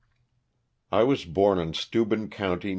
[ WAS born in Steuben county.